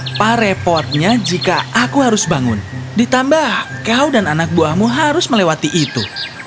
apa repotnya jika aku harus bangun ditambah kau dan anak buahmu harus melewati itu